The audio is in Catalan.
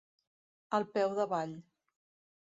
Al peu d'avall.